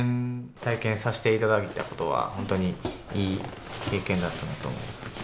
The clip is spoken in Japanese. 体験させていただいたことは、本当にいい経験だったなと思います。